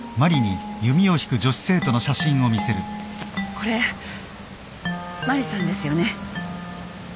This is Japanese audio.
これマリさんですよね？